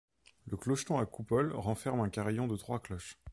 Le clocheton à coupole renferme un carillon de trois cloches.